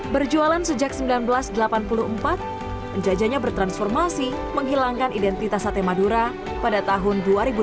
berjualan sejak seribu sembilan ratus delapan puluh empat penjajahnya bertransformasi menghilangkan identitas sate madura pada tahun dua ribu delapan